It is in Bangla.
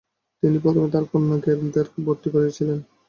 তিনি প্রথমে তার কন্যা জ্ঞানদাকে ভর্তি করিয়েছিলেন।